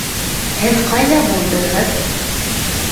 Һеҙ ҡайҙа булдығыҙ?